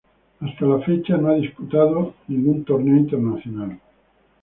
Hasta la fecha, no ha disputado ningún torneo internacional.